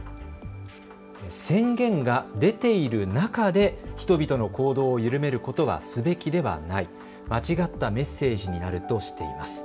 宣言が出ている中で人々の行動を緩めることはすべきではない、間違ったメッセージになるとしています。